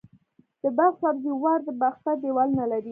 د بلخ سبزې وار د باختر دیوالونه لري